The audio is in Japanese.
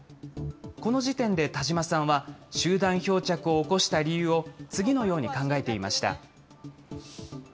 この時点で田島さんは、集団漂着を起こした理由を次のように考えていました。